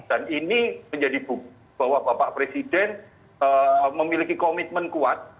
dan ini menjadi buku bahwa bapak presiden memiliki komitmen kuat